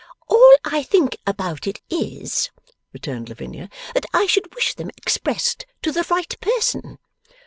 'All I think about it, is,' returned Lavinia, 'that I should wish them expressed to the right person.